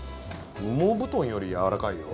羽毛布団よりやわらかいよ